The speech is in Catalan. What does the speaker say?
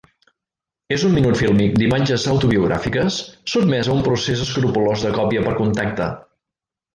És un minut fílmic d’imatges autobiogràfiques sotmès a un procés escrupolós de còpia per contacte.